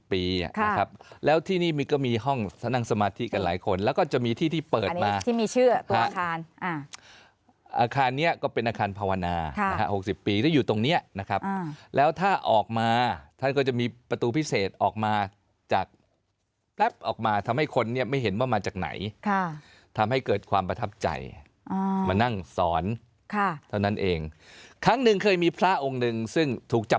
แล้วที่นี่ก็มีห้องนั่งสมาธิกันหลายคนแล้วก็จะมีที่ที่เปิดมาที่มีชื่ออาคารอาคารนี้ก็เป็นอาคารภาวนานะฮะ๖๐ปีที่อยู่ตรงเนี้ยนะครับแล้วถ้าออกมาท่านก็จะมีประตูพิเศษออกมาจากแป๊บออกมาทำให้คนเนี่ยไม่เห็นว่ามาจากไหนทำให้เกิดความประทับใจมานั่งสอนค่ะเท่านั้นเองครั้งหนึ่งเคยมีพระองค์หนึ่งซึ่งถูกจับ